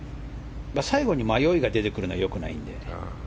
最後に迷いが出てくるのは良くないので。